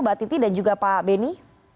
mbak titi dan juga pak beni